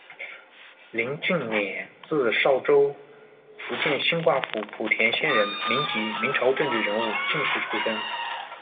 林敬冕，字绍周，福建兴化府莆田县人，民籍，明朝政治人物、进士出身。